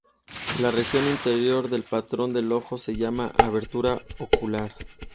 La región interior del patrón del ojo se llama abertura ocular.